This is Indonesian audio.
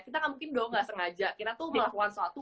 kita gak mungkin dong gak sengaja kita tuh melakukan sesuatu